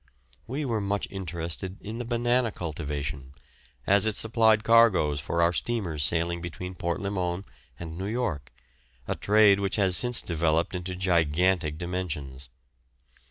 We were much interested in the banana cultivation, as it supplied cargoes for our steamers sailing between Port Limon and New York, a trade which has since developed into gigantic dimensions.